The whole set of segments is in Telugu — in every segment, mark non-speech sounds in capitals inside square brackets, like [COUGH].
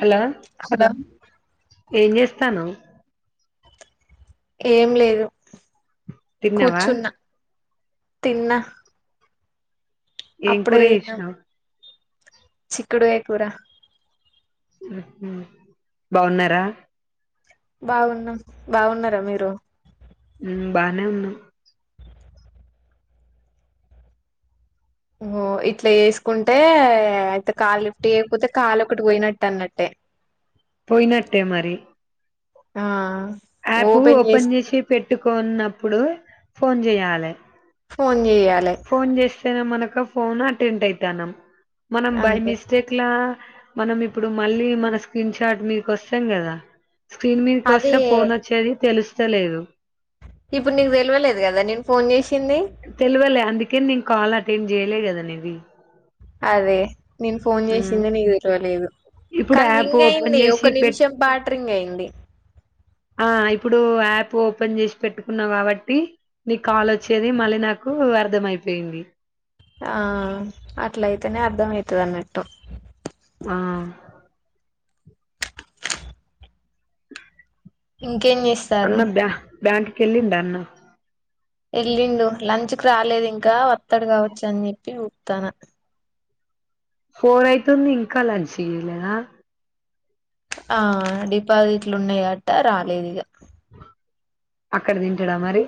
హలో కద ఏం జేస్తన్నావ్ ఏం లేదు తిన్నావా కూర్చున్నా తిన్న ఏం కూర చేసినవ్ చిక్కుడు కాయ కూర బాగున్నారా బాగున్నాం బాగున్నారా మీరు మ్మ్ బానే ఉన్నాం ఓ ఇట్లా చేసుకుంటే అయితే కాలు లిఫ్ట్ చేయకపోతే కాలు ఒకటి పోయినట్టు అన్నట్టే పోయినట్టే మరి ఆ యాపూ ఓపెన్ చేసి పెట్టుకోన్నప్ ప్పుడు ఫోన్ జేయాలే ఫోన్ చేయాలి ఫోన్ చేస్తేనే మనకఫ్ ఫోను అటెండ్ అయితాన్నం మనం బై అంతే మిస్టేక్లా మనం ఇప్పుడు మళ్ళీ మన స్క్రీన్ షాట్ మీకు వస్తాం కదా స్క్రీన్ మీదకి అదే వస్తే ఫోన్ వచ్చేది తెల్సు చ్చలేదు ఇప్పుడు నీకు తెల్వలేదు గదా నేను ఫోన్ చేసి తెల్వల అందుకే నేను కాల్ ఆట్ నేన్ చేయలే కదా నీది అరే నేను ఫోన్ మ్మ్ చేసిందే నీకు తెల్వలేదు ఇప్పుడు కానీ యాప్ రింగ్ ఓపెన్ అయింది చేసి ఒక పెట్ నిమిషం పాటు రింగ్ అయి ది ఆ ఇప్పుడు యాప్ ఓపెన్ చేసి పెట్టుకున్నావ్ కాబట్టి నీకు కాల్ వచ్చేది మళ్ళీ నాకు అర్దం అయిపోయింది ఆ అట్లయితేనే అర్ధంమయితదిఅన్నట్టు ఆ ఉ కేం చేస్తారు బ్యాంకు కి కెళ్ళిండా అన్నా వెళ్ళిండు లంచ్ కు రాలేదు ఇంకా వస్తాడు కావచ్చు అని చెప్పి ఊపుతానా ఫోర్ అయితుంది ఇంకా లంచ్ చేయలేదా ఆ డిపాజిట్లు ఉన్నాయి అట్ట రాలేదు ఇక అక్కడ తింటాడ మరి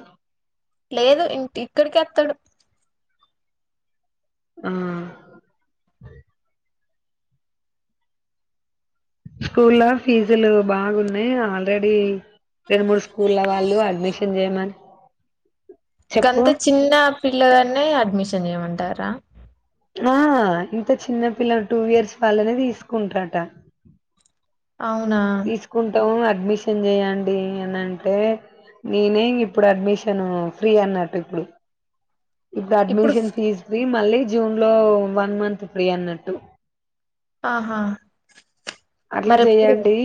లేదు ఇంటి ఇక్కడికే అత్తాడు ఆ స్కూల్ లో ఫీజులు బాగున్నాయి ఆల్రెడీ రెండు మూడు స్కూళ్ల వాళ్ళు అడ్మిషన్ చేయమని చెప్పు గంత చిన్న పిల్లగాన్నే అడ్మిషన్ చేయమంటారు రా ఆ ఇంత చిన్న పిల్లలు టూ ఇయర్స్ వాళ్ళనే తీసుకుంటారు అంట అవునా తీసుకుంటావు ఆర్ మిషన్ చేయండి అని అంటే నేనే ఇప్పుడు అడ్మిషను ఫ్రీ అన్నట్టు ఇప్పుడు ఇద్దా ఇప్పుడు అడ్మిషన్ ఫీజు ఫ్రీ మళ్ళీ జూన్ లో వన్ మంత్ ఫ్రీ అన్నట్టు ఆహా అట్లా మరెప్పుడు చేయండి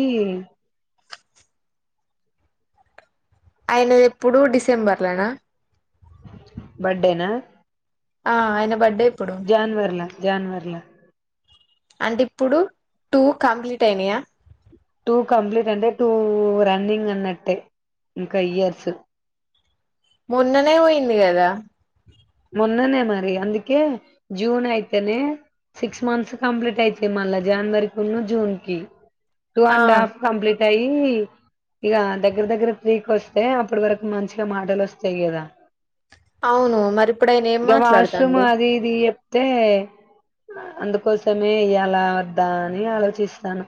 అయినది ఎప్పుడు డిసెంబర్లానా బర్త్డే నా ఆ అయిన బర్డే జనవరిల జనవరిల అంటే ఇప్పుడు టూ కంప్లీట్ అయినాయా టూ కంప్లీట్ అంటే టూ రన్నింగ్ అన్నట్టే ఇంకా ఇయర్స్ మొన్ననే పోయింది కదా మొన్ననే మరి అందుకే జూన్ అయితేనే సిక్స్ మంత్స్ కంప్లీట్ అయితాయి మళ్ళా జనవరి కును జూన్ కి టూ ఆ అండ్ హాఫ్ కంప్లీట్ తై ఈ ఇక దగ్గర దగ్గర త్రీకి వస్తే అప్పటి వరకు మంచిగా మాటలు వస్తాయి కదా అవును మరి ఇప్పుడు ఆయన ఏం ఇగ వాష్రూమ్ మాట్లాడతాండు అది ఇది చెప్తే ఆ అందుకోసమే ఇయ్యాల వద్ద అని ఆలోచిస్తానా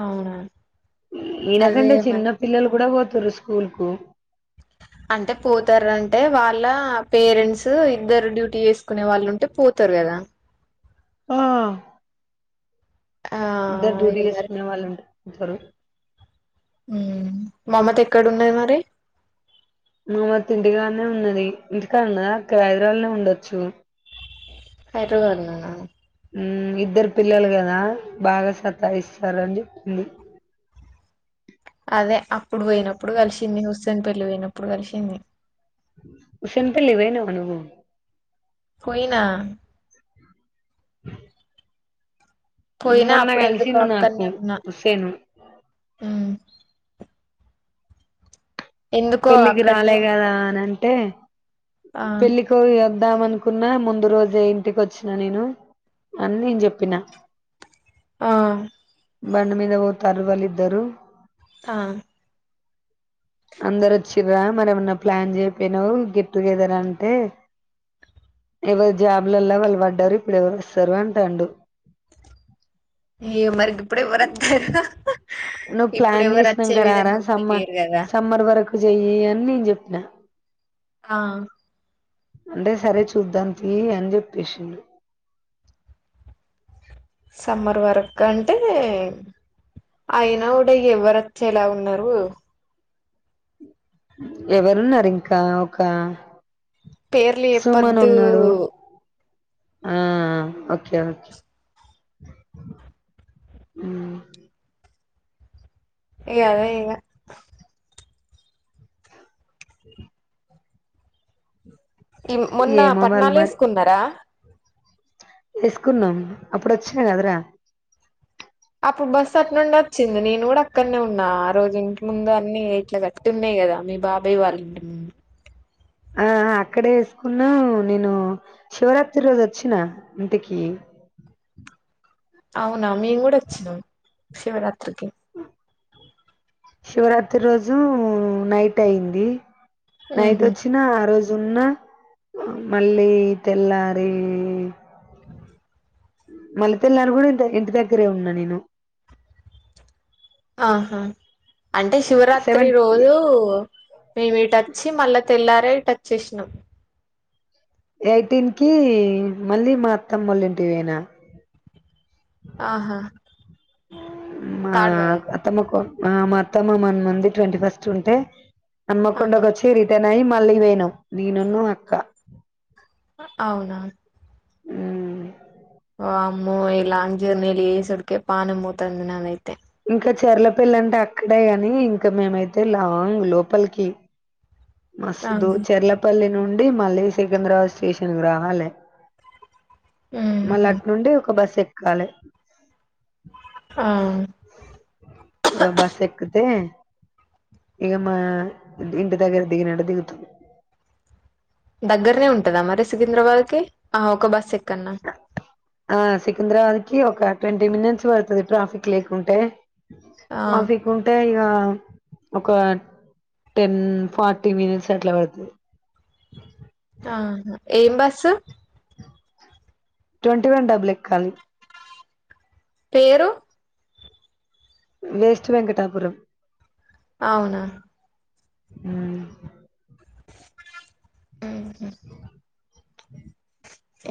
అవునా ఈయన అదే కంటే మరి చిన్న పిల్లలు కూడా పో తోరు స్కూల్ కు అంటే పోతారు అంటే వాళ్ళ పేరెంట్స్ ఇద్దరు డ్యూటీ వేసుకునే వాళ్ళు ఉంటే పోతారు కదా ఆ ఆ ఇద్దరు డ్యూటీ ఇది మరి చేసుకునే వాళ్ళు ఉంట [UNINTELLIGIBLE] యూ మమత ఎక్కడ ఉన్నాది మరి మమతి ఇంటికానే ఉన్నది ఇంటికాడ ఉన్నదా అక్కడ హైదరాళ్ళనే హైదరాబాదులోనే ఉండొచ్చు హైదరాబాద్ లో ఉన్న హ్మ్ ఇద్దరు పిల్లలు కదా బాగా సతాయిస్తారు అని చెప్పింది అదే అ అప్పుడు పోయినప్పుడు కలిసింన్యూస్ దాని పెళ్లికి పోయినప్పుడు కలిసింది ఉషన్ పెళ్లికి పోయినవా నువ్వు పోయినా పోయినా మొన్న అప్పుడు ఎందుకో కలిసిండు నాకు అక్కనే ఉన్నా హుస్సేను యూ ఎందుకో పెళ్ళికి అక్కడనే రాలే ఉన్నా కదా అని అంటే ఆ పెళ్ళికొ [UNINTELLIGIBLE] వద్దాం అనుకున్నా ముందు రోజే ఇంటికి వచ్చిన నేను అని నేను చెప్పిన ఆ బండి మీద పోతారు వాళ్ళు ఇద్దరు ఆ అందరు వచ్చిరా మరి ఏమన్నా ప్లాన్ చేయపోయినావు గెట్ టుగెదర్ అంటే ఎవరు జాబ్లలో వాళ్ళు పడ్డారు ఇప్పుడు ఎవరు వస్తారు అంటాండు ఏ మరిగ్ అప్పుడు ఎవరు వతారు నువ్ ప్లాన్ చేసినాక రారా కూడా సమ్మ లేరు కదా సమ్మర్ వరకు చెయ్యి అని నేను చెప్పిన ఆ అంటే సరే చూద్దాం తి అని చెప్పేసిండు సమ్మర్ వరక్ అం అంటే అయన కూడా ఎవ్వరోచ్చే లాగా ఉన్నారు ఎవరున్నారు ఇంకా ఒక పేర్లు సుమన్ చెప్పదు ఉన్నాడు ఆ ఓకే ఓకే హ్మ్ ఇగ అదే ఇగ ఈ మొన్న ఏమో వాళ్ళు పట్నాలు ఎసుకున్నారా వఎసుకున్నాం అప్పుడు వచ్చిన కదరా అప్పుడు బస్సు అటు నుండి వచ్చింది నేను కూడా అక్కడనే ఉన్నా ఆ రోజు ఇంటి ముందు అన్ని ఇట్లా గట్టి ఉన్నాయి కదా మీ బాబాయ్ వాళ్ళు ఇంటి ముందు ఆ అక్కడే ఎసుకున్నా నేను శివరాత్రి రోజు వచ్చినా ఇంటికి అవు అవునా మేము కూడా వచ్చినం శివరాత్రికి శివరాత్రి రోజు నైట్ అయింది నైట్ ఉహు వచ్చినా ఆ రోజు జున్ను మళ్ళీ తెల్లారి మళ్ళీ తెల్లారు కూడా ఇంటి దగ్గరే ఉన్నా నేను ఆహ అంటే శివరాత్రి సెవెన్ రోజూ మేము ఇటచ్చి మళ్ళా తెల్లారే టచ్ చేసినాం ఎయిటీన్ కి మళ్ళీ మా అత్తమ్మోలా ఇంటికి పోయినా ఆహ మా అత్తమ్మకు ఆ మ అత్తమ్మ మోన్న ఉంది ట్వంటీ ఫస్ట్ ఉంటే అమ్మ కొండ ఆహా వచ్చిరి కెనయి మళ్ళీ తీనం నేనను అక్క అవున ఓ అమ్మో ఇలాంటి జీర్నీ చేసుడికె పానం పోతది నాదైతే ఇంకా చెరల పిల్ల అంటే అక్కడే కాని ఇంకా మేమైతే లాంగ్ లోపలికి మస్తు అవును చెర్లపల్లిని నుండి మళ్ళీ సికింద్రాబాద్ స్టేషన్ రావాలె మళ్ళ ఉహు అట్ నుండి ఒక బస్ ఎ కలె ఆ బస్ ఎక్కితే ఇక మా ఇంటి దగ్గర దిగినడు దిగుతాం దగ్గర్నే ఉంటదా మరి సికింద్రాబాద్ కి ఆ ఒక బస్ ఎక్కన్నా ఆ సికింద్రాబాద్ కి ఒక ట్వంటీ మినిట్స్ పడుతది ట్రాఫిక్ లేకుంటే ఆ ట్రాఫిక్ ఉంటే ఇగ ఒక టెన్ ఫార్టీ మినిట్స్ అట్ల పడ్తుది ఆ ఏం బస్సు ట్వంటీ వన్ డబల ఎక్కాలి పేరు వెస్ట్ వెంకటాపురం అవున హుమ్ ఊహు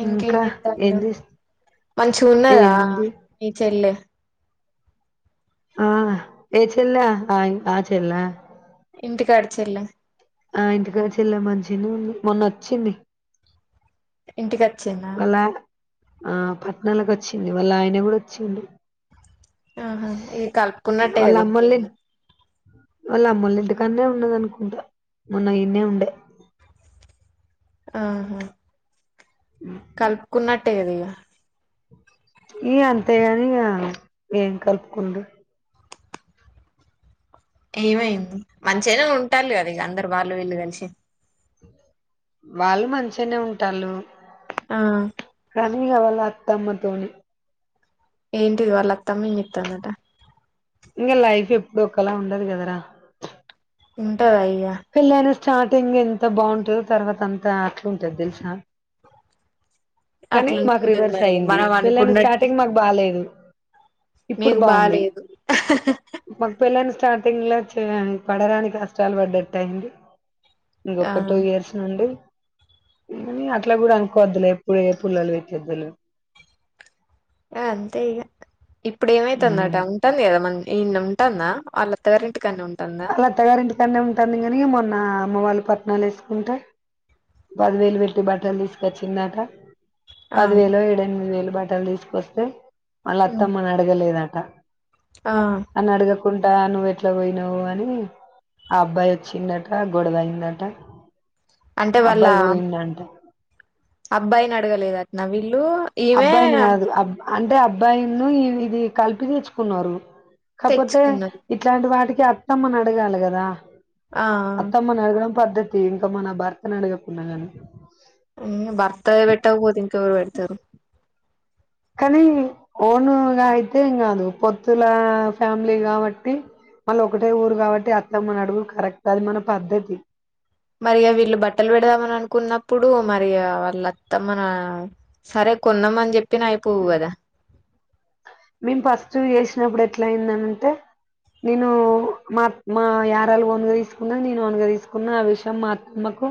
ఇంకేం ఇంకా చెప్తారు ఏం వాళ్ళు చేస్త మంచిగా ఉన్నదా ఏముంది నీ చెల్లి ఆహ్ ఏ చెల్లె ఆ ఆ చెల్ల ఇంటి కాడ చెల్లి ఆ ఇంటికాడ చెల్లి మంచిది మొన్న వచ్చింది ఇంటిక చిన్న వాళ్ళ ఆ పట్నాలకొచ్చింది, వాళ్ళ ఆయన కూడ వచ్చిండు. ఆహా, ఇది కలుపుకున్నట్టే వాళ్ళ కదా, అమ్మోళ్ళ ఇంకేంది? వాళ్ళ అమ్మోలింటికాడ్నే ఉన్నాదనుకుంటా మొన్న ఈడ్నేవుండే ఆహ కలుపుకున్నట్టే కదా ఇగ ఈ అంతే గాని ఇక ఏం కలుపుకుండు ఏమైంది మంచి అయినా ఉంటారుి కదా ఇక అందరు వాళ్ళు వీళ్ళు కలిసి వాళ్ళు మంచిగనే ఉంటాళ్లు. ఆ కనీ ఇగ వాలత్ తమ్మ తోని. ఏంటిది? వల్లత్తమ్మ ఏం చెత్తాందట? ఇంగ లైఫ్ ఎప్పుడు ఒకలా ఉండదు కదరా? ఉంటదా అయి పిల్లను స్టాటింగ్ ఎంత బాగుంటందో, తర్వాత అంతా అట్లా ఉంటుది తెలుసా? కనీ అట్లనే మాకు ఉంటది రివర్స్ మరి ఇగ అయింది. మనం పెళ్లైన అనుకున్నట్టే స్టార్టింగ్ మాకు బాలేదు, ఇప్పుడు మీకు బాగుంది. బాలేదు మాకు పెళ్లైన స్టాట్ టింగ్ల ఒచ్చేదాన్ని. పడరాని కష్టాలు పడ్డట్టయింది. ఆ ఇంకొక టూ ఇయర్స్ నుండి. కానీ, అట్లా కూడ అనుకోవద్దులేప్ పోయే పుల్లలు పెట్టిద్దును. ఆ, అంతే ఇగ. ఇప్పుడు ఏమైతాందట? ఉంటాంది కదా? మన్ ఈడ్నే. టాందా? వాళ్ళత్తగారింట్ వాళ్ళత్తగారి ఇంటిక్కాన్నె ఉంటాంది కనీ ఇగ, మొన్న ఆ, అమ్మ వాళ్ళు కట్నాలేసుకుంట. పదివేలు పెట్టి, బట్టలు తీసుకొచ్చిందాట. ఆ పది వేలో, ఏడెనిమిది వేలు బట్ ట్టలు తీసుకొస్తే. ఆళ్ళత్తమ్మని అడగలేదట్ క ఆ కుంటా నువ్వెట్ల పోయినవు అని, ఆ అబ్బాయి వచ్చిండట, గొడవ అయిందట. అబ్బాయి పోయిండంట. అబ్బాయినడగలేదట్నా వీల్ ల్లు ఇవే అబ్బాయిని కాదు అబ్ అంటే అబ్బాయిన్నూ ఇది కలిపి తెచ్చుకున్నరు. కాపోతే, తెచ్చుకున్నది ఇట్లాంటి వాటికి ఇగ అత్తమ్మనడగాలి కదా? ఆ అత్తమ్మనడగడం పద్ద్దతి, ఇంకా మన భర్తను అడగకున్నా గానీ. హ్మ్ భర్త పెట్టకపోతే ఇంకెవ రుపెడతారు కానీ ఓనుగ అయితే ఏం కాదు పొత్తులా ఫ్యామిలీ కాబట్టి మళ్ళా ఒకటే ఊరు కాబట్టి అట్లా మన అడుగుకరెక్ట్ అది మన పద్ధతి మరి ఇగ వీళ్ళు బట్టలు పెడదామని అనుకున్నప్పుడు మరి వాల్ల అత్తమ్మ సరే కొన్నామని చెప్ ప్పినా అయిపోవు గద మేమ్ ఫస్టు చేసినప్పుడు ఎట్లా అయిందనంటే నేను మా మా యారళు వంద తీసుకున్నా నేను వంద తీసుకున్నా ఆ విషయం మా అత్తమ్మకు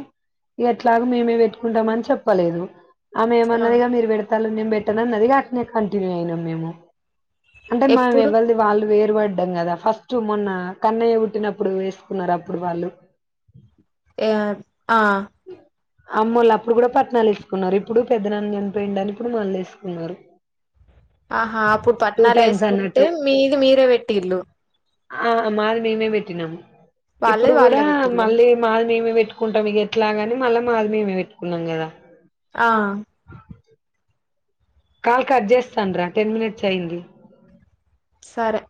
ఎట్లాగొ మేమే పెట్టుకుంటామని చెప్పలేదు ఆమె ఏ ఆ మన్నదిగా మీరు పెడతాలే నేను పె ట్టనన్నది ఇగ అట్ నే కంటిన్యూ అయినాం మేము అంటే మనం ఎప్పుడు ఎవరిది వాళ్ళు వేరు పడ్ డ్డం కదా ఫస్ట్ మొన్న కన్నయ్య పుట్టినప్పుడు వేసుకున్నారు అప్పుడు వాళ్ళు ఆ ఆ అమ్మోళ్లు అప్పుడు కూడా పట్నాలేసుకున్నారు ఇప్పుడు పెద్దనాన్ చనిపోయిండని ఇప్పుడు మళ్ళెసుకున్నారు ఆహా అప్పుడు పట్నాలేసుకుంటే అన్నట్టు మీది మీరే పెట్టి ఇల్లు తినంమ్ ఇప్పుడు కూడా మళ్ళీ మాది మేమే ఇక్కుంటా మీకే అట్లాగని మళ్ళా మాదిమేమే పెట్టుకున్నాం గదా ఆ కాల్ కట్ చేస్తాన రా టెన్ మినిట్స్ అయి్యంది సరే